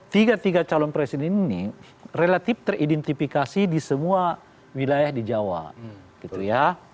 tiga tiga calon presiden ini relatif teridentifikasi di semua wilayah di jawa gitu ya